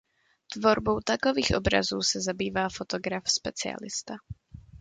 Tvorbou takových obrazů se zabývá fotograf specialista.